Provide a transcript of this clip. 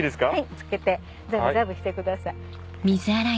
漬けてザブザブしてください。